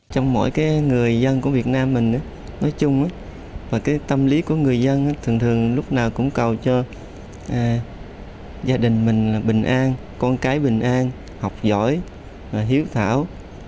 trong mỗi người dân của việt nam tâm lý của người dân thường thường lúc nào cũng cầu cho gia đình mình bình an con cái bình an học giỏi hiếu thảo